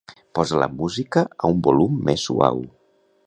Posa la música a un volum més suau.